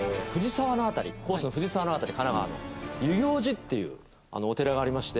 コースの藤沢の辺り神奈川の遊行寺っていうお寺がありまして。